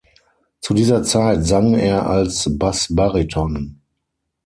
Zu dieser Zeit sang er als Bassbariton.